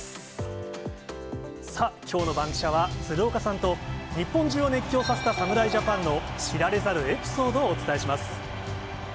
さあ、きょうのバンキシャは、鶴岡さんと、日本中を熱狂させた侍ジャパンの知られざるエピソードをお伝えします。